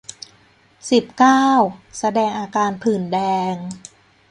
สิบเก้า แสดงอาการผื่นแดง